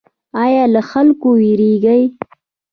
ایا له خلکو ویریږئ؟